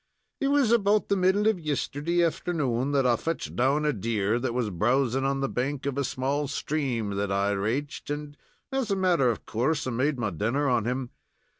It was about the middle of yisterday afternoon that I fetched down a deer that was browsing on the bank of a small stream that I raiched, and, as a matter of coorse, I made my dinner on him.